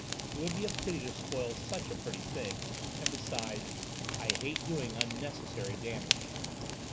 It would be a pity to spoil such a pretty thing, and besides, I hate doing unnecessary damage!"